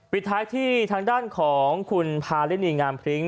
ปิดท้ายที่ทางด้านของคุณพารินีงามพริ้ง